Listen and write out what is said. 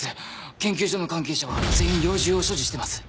研究所の関係者は全員猟銃を所持しています。